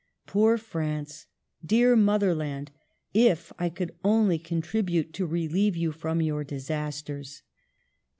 Poor France! Dear mother land! If I could only contribute to relieve you from your disasters!"